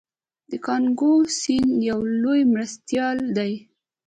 د کانګو سیند یو لوی مرستیال دی.